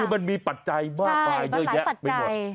คือมันมีปัจจัยมากมายเยอะแยะไปหมด